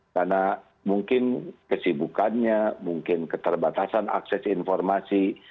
karena mungkin kesibukannya mungkin keterbatasan akses informasi